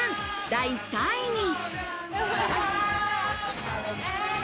第３位に。